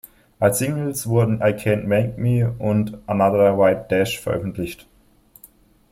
Als Singles wurden "I Can't Make Me" und "Another White Dash" veröffentlicht.